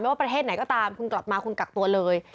ว่าประเทศไหนก็ตามคุณกลับมาคุณกักตัวเลย